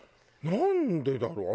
なんでだろう？